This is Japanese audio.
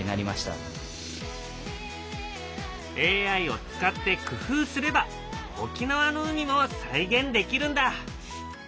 ＡＩを使って工夫すれば沖縄の海も再現できるんだ。